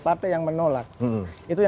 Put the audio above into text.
saya akan menjawabnya